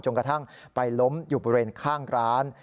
กระทั่งไปล้มอยู่บริเวณข้างร้าน